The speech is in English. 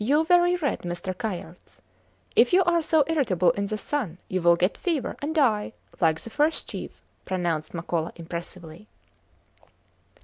You very red, Mr. Kayerts. If you are so irritable in the sun, you will get fever and die like the first chief! pronounced Makola impressively.